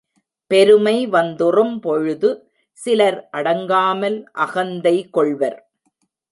பெருமை வந்துறும்பொழுது சிலர் அடங்காமல் அகந்தை கொள்வர்.